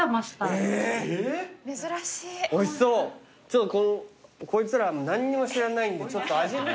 ちょっとこいつら何にも知らないんでちょっと味見。